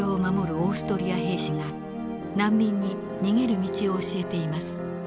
オーストリア兵士が難民に逃げる道を教えています。